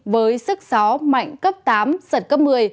với sức gió mạnh cấp tám giật cấp một mươi